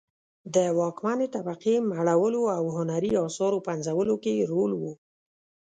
د واکمنې طبقې مړولو او هنري اثارو پنځولو کې یې رول و